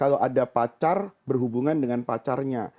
kalau ada pacar berhubungan dengan pacarnya